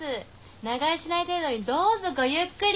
長居しない程度にどうぞごゆっくり！